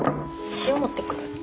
塩持ってくる。